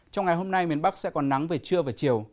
trong ngày hôm nay miền bắc sẽ còn nắng về trưa và chiều